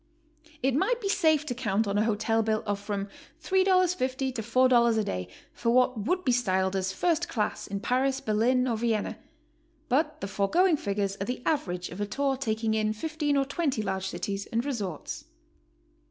It might be safe to count on a hotel bill of from $3.50 to $4 a day for what would be styled as first class in Paris, Berlin, or Vienna, but the foregoing figures are the average of a tour taking in 15 or 20 large cities and resorts.